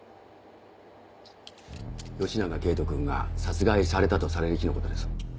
吉長圭人君が殺害されたとされる日のことです。